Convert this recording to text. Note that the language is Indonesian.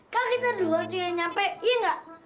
kalau kita doat yang nyampe iya gak